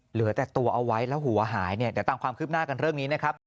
เหลือแต่ตัวเอาไว้แล้วหัวหายเนี่ยเดี๋ยวตามความคืบหน้ากันเรื่องนี้นะครับ